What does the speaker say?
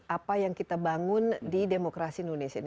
apa yang kita bangun di demokrasi indonesia ini